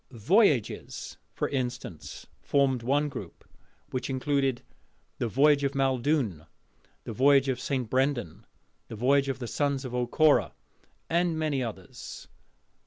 'Voyages,' for instance, formed one group, which included "The Voyage of Maeldune," "The Voyage of St. Brendan," "The Voyage of the Sons of O'Corra," and many others.